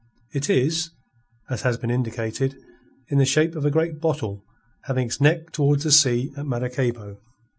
It is as has been indicated in the shape of a great bottle having its neck towards the sea at Maracaybo.